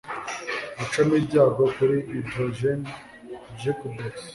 gucamo ibyago kuri hydrogen jukebox